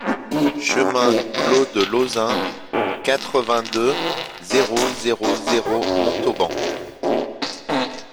Chemin Clos de Lauzin, quatre-vingt-deux, zéro zéro zéro Montauban